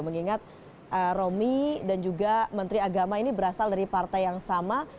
mengingat romi dan juga menteri agama ini berasal dari partai yang sama